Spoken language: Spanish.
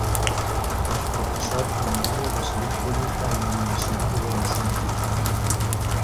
Es profesor honorario de Salud Pública en la Universidad de Buenos Aires.